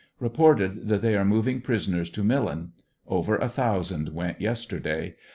Reported that they are moving prisoners to Millen. Over a thousand went yesterday.